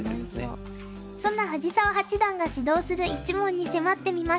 そんな藤澤八段が指導する一門に迫ってみました。